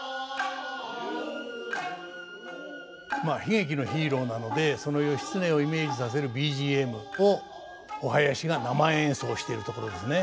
まあ悲劇のヒーローなのでその義経をイメージさせるＢＧＭをお囃子が生演奏してるところですね。